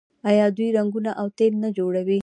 آیا دوی رنګونه او تیل نه جوړوي؟